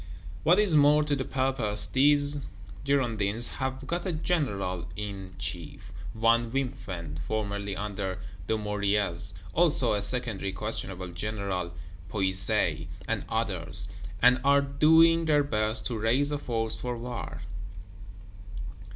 What is more to the purpose, these Girondins have got a General in chief, one Wimpfen, formerly under Dumouriez; also a secondary questionable General Puisaye, and others; and are doing their best to raise a force for war.